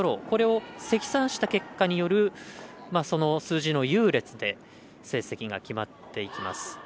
これを積算した結果で出るその数字の優劣で成績が決まっていきます。